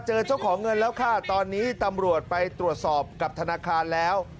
เจ้าของเงินแล้วค่ะตอนนี้ตำรวจไปตรวจสอบกับธนาคารแล้ว